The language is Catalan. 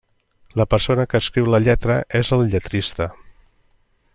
La persona que escriu la lletra és el lletrista.